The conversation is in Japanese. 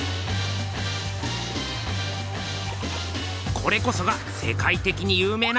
これこそが世界てきに有名な。